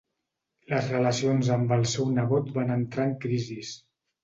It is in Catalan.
Les relacions amb el seu nebot van entrar en crisis.